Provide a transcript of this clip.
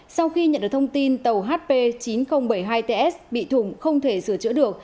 sau khi nhận được thông tin tàu hp chín nghìn bảy mươi hai ts bị thủng không thể sửa chữa được